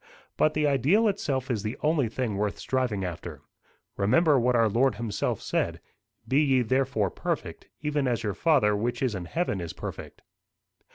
But the ideal itself is the only thing worth striving after. Remember what our Lord himself said: 'Be ye therefore perfect, even as your Father which is in heaven is perfect.